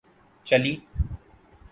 چلی